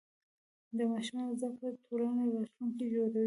د ماشومانو زده کړه د ټولنې راتلونکی جوړوي.